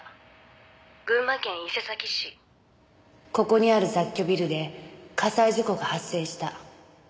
ここにある雑居ビルで火災事故が発生した。